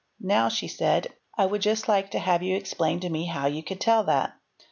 " Now", she said, "'I would just like to have you explain to me how you could tell that.